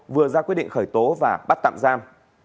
vừa ra quyết định khởi tố và bắt tạm giam